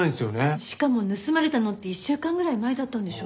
しかも盗まれたのって１週間ぐらい前だったんでしょ？